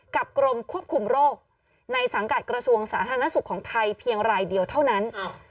กรมควบคุมโรคในสังกัดกระทรวงสาธารณสุขของไทยเพียงรายเดียวเท่านั้น